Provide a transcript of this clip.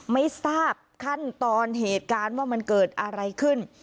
ไม่ทราบขั้นตอนเหตุการณ์ว่ามันเกิดอะไรขึ้น